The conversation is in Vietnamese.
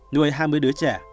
nuôi hai mươi đứa trẻ